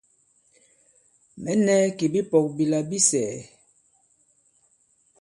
Mɛ̌ nɛ̄ kì bipɔ̄k bila bi sɛ̀ɛ̀.